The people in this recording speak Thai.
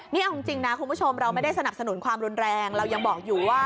นี่เอาจริงนะคุณผู้ชมเราไม่ได้สนับสนุนความรุนแรงเรายังบอกอยู่ว่า